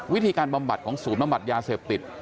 บำบัดของศูนย์บำบัดยาเสพติด